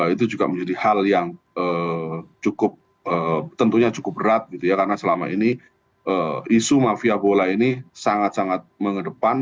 itu juga menjadi hal yang cukup tentunya cukup berat karena selama ini isu mafia bola ini sangat sangat mengedepan